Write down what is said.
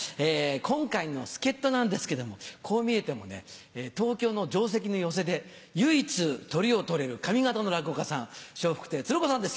今回の助っ人なんですけれども、こう見えても、東京の定席の寄席で、唯一、トリを取れる上方の落語家さん、笑福亭鶴光さんです。